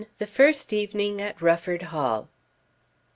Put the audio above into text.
THE FIRST EVENING AT RUFFORD HALL.